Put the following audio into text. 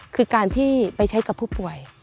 คือการที่ไปใช้กับผู้ป่วย